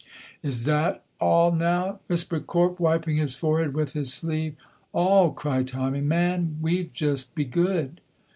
"Is that a' now?" whispered Corp, wiping his forehead with his sleeve. "All!" cried Tommy. "Man, we've just begood."